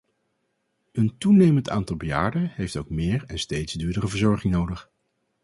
Een toenemend aantal bejaarden heeft ook meer en steeds duurdere verzorging nodig.